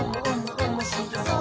おもしろそう！」